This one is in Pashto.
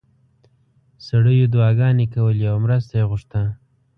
سړیو دعاګانې کولې او مرسته یې غوښته.